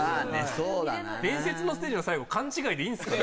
そうだな伝説のステージの最後勘違いでいいんですか？